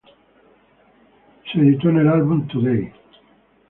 Se edito en el álbum Today!